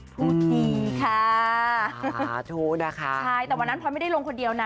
ทุกทีค่ะสาธุนะคะใช่แต่วันนั้นพลอยไม่ได้ลงคนเดียวนะ